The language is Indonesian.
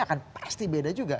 akan pasti beda juga